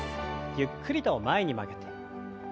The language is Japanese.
ゆっくりと前に曲げて。